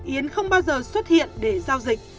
yến không bao giờ xuất hiện để giao dịch